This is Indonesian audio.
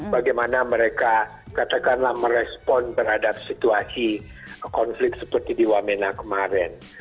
bagaimana mereka katakanlah merespon terhadap situasi konflik seperti di wamena kemarin